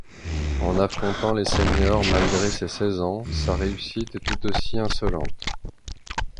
En affrontant les seniors, malgré ses seize ans, sa réussite est tout aussi insolente.